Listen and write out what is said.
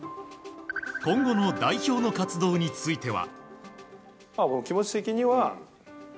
今後の代表の活動については。